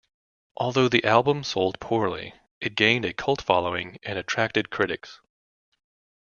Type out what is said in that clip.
Although the album sold poorly, it gained a cult following and attracted critics.